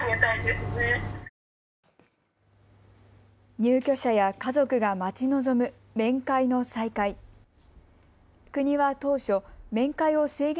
入居者や家族が待ち望む面会の再開。